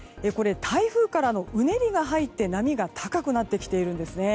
台風からのうねりが入って波が高くなってきているんです。